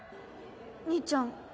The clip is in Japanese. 兄ちゃん